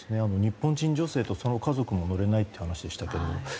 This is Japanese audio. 日本人女性とその家族も乗れないという話ですが。